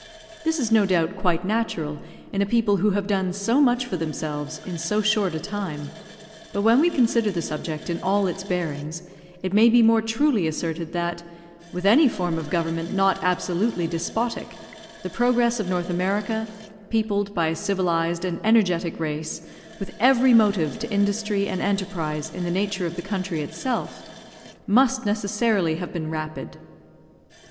This is no doubt quite natural in a people who have done so much for themselves in so short a time; but when we consider the subject in all its bearings, it may be more truly asserted that, with any form of government not absolutely despotic, the progress of North America, peopled by a civilised and energetic race, with every motive to industry and enterprise in the nature of the country itself, must necessarily have been rapid.